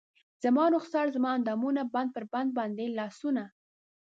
زما رخسار زما اندامونه بند پر بند باندې لاسونه